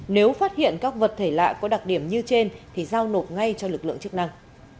nếu phát hiện các vật thể lạ có đặc điểm như trên thì giao nộp ngay cho lực lượng chức năng